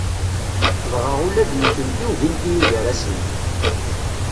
Dɣa ula d nutenti ugint-iyi gar-asent.